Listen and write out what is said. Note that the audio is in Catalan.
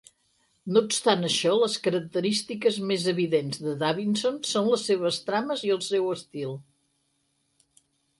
No obstant això, les característiques més evidents de Davidson són les seves trames i el seu estil.